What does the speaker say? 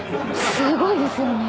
すごいですよね。